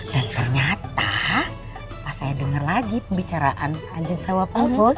dan ternyata pas saya dengar lagi pembicaraan andien sama pak bos